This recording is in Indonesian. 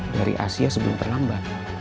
dari asia sebelum terlambat